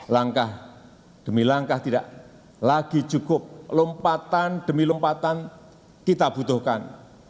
langkah demi langkah tidak lagi cukup lompatan demi lompatan kita butuhkan